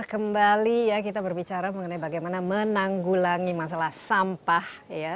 kembali ya kita berbicara mengenai bagaimana menanggulangi masalah sampah